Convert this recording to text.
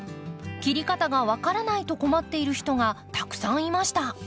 切り方が分からないと困っている人がたくさんいました。